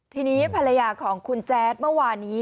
ที่นี้ภรรยาของคุณแจ้งมาวานนี้